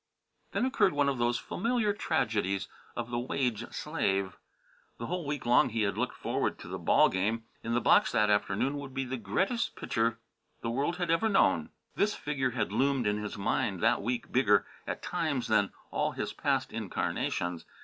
Then occurred one of those familiar tragedies of the wage slave. The whole week long he had looked forward to the ball game. In the box that afternoon would be the Greatest Pitcher the World Had Ever Known. This figure had loomed in his mind that week bigger at times than all his past incarnations.